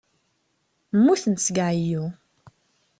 Mmutent seg ɛeyyu.